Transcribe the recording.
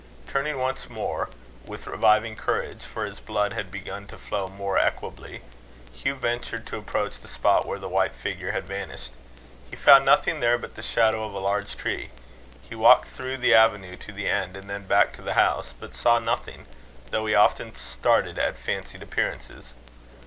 Turning once more, with reviving courage for his blood had begun to flow more equably Hugh ventured to approach the spot where the white figure had vanished. He found nothing there but the shadow of a huge tree. He walked through the avenue to the end, and then back to the house, but saw nothing; though he often started at fancied appearances.